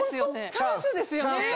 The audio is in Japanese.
チャンスですよね？